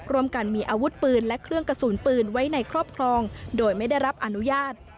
ร่วมกันมีอาวุธปืนและเครื่องกระสุนปืนไว้ในครอบครองโดยไม่ได้รับอนุญาต